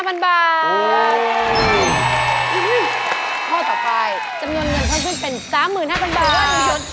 ข้อต่อไปจำนวนเหนือนข้างขึ้นเป็น๓๕๐๐๐บาท